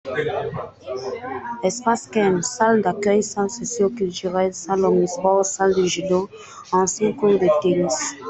Espace Kerne : salle d’accueil, salle socioculturelle, salle omnisports, salle de judo, ancien court de tennis.